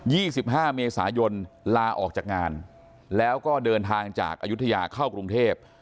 สิบห้าเมษายนลาออกจากงานแล้วก็เดินทางจากอายุทยาเข้ากรุงเทพ